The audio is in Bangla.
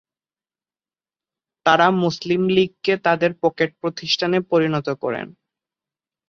তারা মুসলিম লীগকে তাদের পকেট প্রতিষ্ঠানে পরিনত করেন।